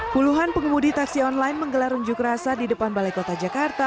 puluhan pengemudi taksi online menggelar unjuk rasa di depan balai kota jakarta